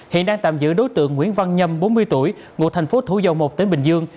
hiện đang tạm giữ đối tượng nguyễn văn nhâm bốn mươi tuổi ngụ thành phố thủ dầu một tỉnh bình dương